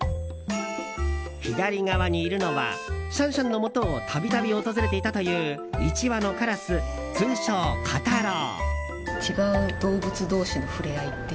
左側にいるのはシャンシャンのもとを度々訪れていたという１羽のカラス、通称カタロウ。